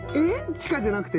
⁉地下じゃなくて？